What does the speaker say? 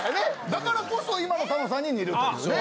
だからこそ今のタモさんに似るっていうね。